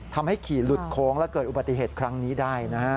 ทำให้ขี่หลุดโค้งและเกิดอุบัติเหตุครั้งนี้ได้นะฮะ